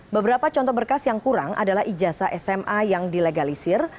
beberapa contoh berkas yang kurang adalah ijazah sma yang dilegalisir